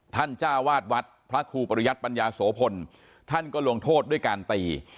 จ้าวาดวัดพระครูปริยัติปัญญาโสพลท่านก็ลงโทษด้วยการตี